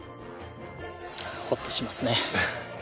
ホッとしますね。